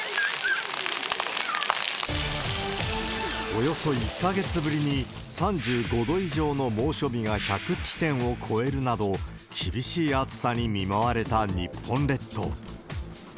およそ１か月ぶりに、３５度以上の猛暑日が１００地点を超えるなど、厳しい暑さに見舞われた日本列島。